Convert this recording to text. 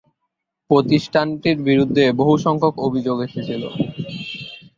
প্রতিষ্ঠানটির বিরুদ্ধে বহুসংখ্যক অভিযোগ এসেছিল।